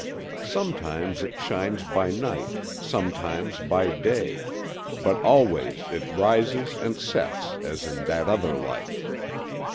Sometimes it shines by night, sometimes by day, but always it rises and sets, as in that other life.